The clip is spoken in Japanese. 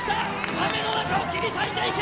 雨の中を切り裂いていく！